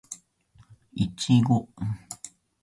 いちご